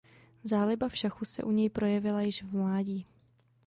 Záliba v šachu se u něj projevila již v mládí.